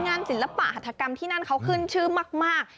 ศิลปะหัฐกรรมที่นั่นเขาขึ้นชื่อมาก